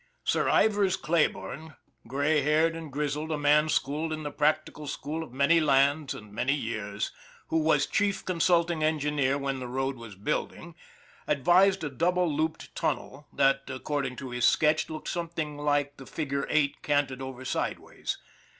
Sir Ivers Clayborn, gray haired and grizzled, a man schooled in the practical school of many lands and many years, who was chief consulting engineer when the road was building, advised a double looped tunnel that, according to his sketch, looked something like the figure 8 canted over sideways.